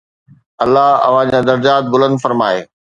الله اوهان جا درجات بلند فرمائي.